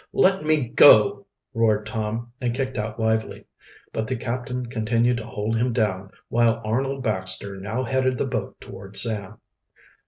"Let me go!" roared Tom and kicked out lively. But the captain continued to hold him down, while Arnold Baxter now headed the boat toward Sam.